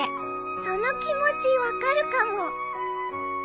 その気持ち分かるかも。